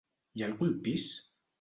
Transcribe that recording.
Hi ha algú al pis?